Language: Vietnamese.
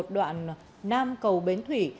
đoạn nam cầu bến thủy